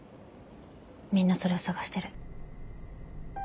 みんなそれを探してる。